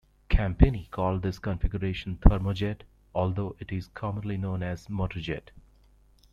Campini called this configuration "thermojet", although it is commonly known as "motorjet".